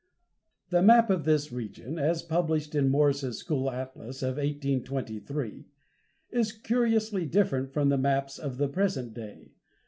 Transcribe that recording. The map of this region, as published in Morse's school atlas of 1823, is curiously different from the maps of the present day.